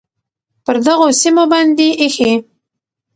پر دغو سیمو باندې ایښی،